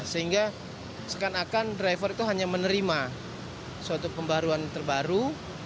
sehingga sekan akan driver itu hanya menerima suatu pembaruan terbaru